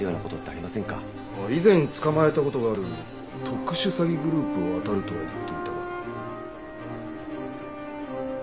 以前捕まえた事がある特殊詐欺グループをあたるとは言っていたが。